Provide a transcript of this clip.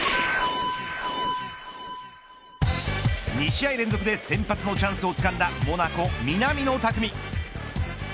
２試合連続で先発のチャンスをつかんだモナコ、南野拓実。